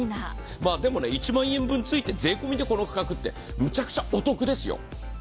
でも、１万円分ついて全部でこの額ってむちゃくちゃお得ですよ。